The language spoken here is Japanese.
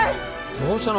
どうしたの？